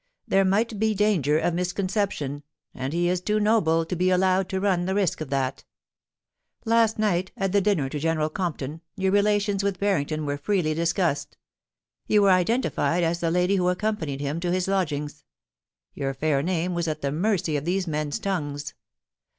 There might be danger of mis conception, and he is too noble to be allowed to run the risk of that Last night, at the dinner to General Compton, your relations with Barrington were freely discussed You were identified as the lady who accompanied him to his lodgings. Your fair fame was at the mercy of these men's tongues.